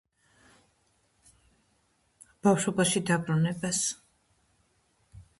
ბავშვობაში დაბრუნებას